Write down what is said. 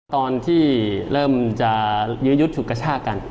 ตอนที่เริ่มจะยื้อยุดสุขชาติกัน